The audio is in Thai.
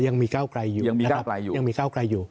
ยังมีก้าวไกลอยู่ยังมีเก้าไกลอยู่ยังมีก้าวไกลอยู่